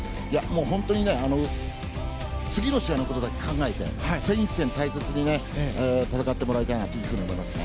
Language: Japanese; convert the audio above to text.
本当に次の試合のことだけ考えて１戦１戦大切に戦ってもらいたいなと思いますね。